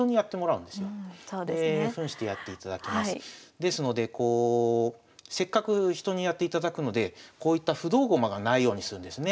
ですのでこうせっかく人にやっていただくのでこういった不動駒がないようにするんですね。